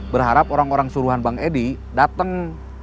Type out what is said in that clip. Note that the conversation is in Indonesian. berharap orang orang suruhan bang edi datang